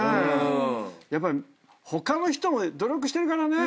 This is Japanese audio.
やっぱり他の人も努力してるからね。